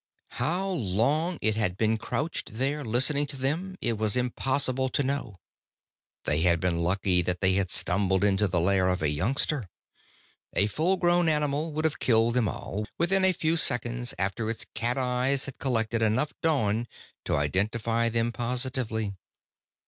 How long it had been crouched there listening to them, it was impossible to know. They had been lucky that they had stumbled into the lair of a youngster. A full grown animal would have killed them all, within a few seconds after its cat's eyes had collected enough dawn to identify them positively.